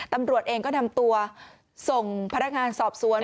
ตำรวจเองก็นำตัวส่งพนักงานสอบสวน